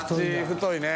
太いね。